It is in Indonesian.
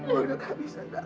gue udah kehabisan kak